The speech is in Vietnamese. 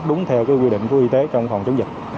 đúng theo quy định của y tế trong phòng chống dịch